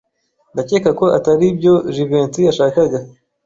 Ndakeka ko atari byo Jivency yashakaga.